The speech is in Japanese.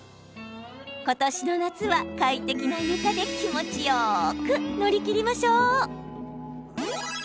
ことしの夏は、快適な床で気持ちよく乗り切りましょう。